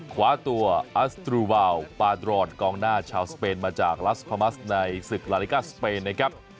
คว้าตัวอัสตรูวาวปาดรอนกองหน้าชาวสเปนมาจากลัสคามัสในศึกลาลิกาสเปนนะครับ